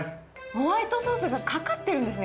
ホワイトソースがかかってるんですね